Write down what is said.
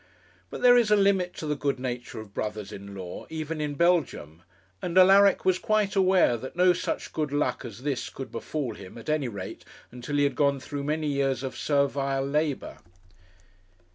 But there is a limit to the good nature of brothers in law, even in Belgium; and Alaric was quite aware that no such good luck as this could befall him, at any rate until he had gone through many years of servile labour.